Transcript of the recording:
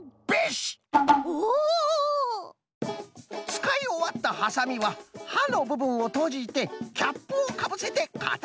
つかいおわったハサミははのぶぶんをとじてキャップをかぶせてかたづけること！